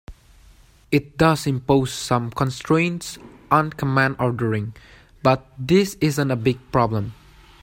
It does impose some constraints on command ordering, but this isn't a big problem.